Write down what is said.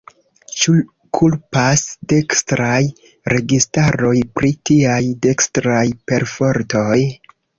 Ĉu kulpas dekstraj registaroj pri tiaj dekstraj perfortoj?